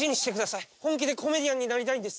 本気でコメディアンになりたいんです」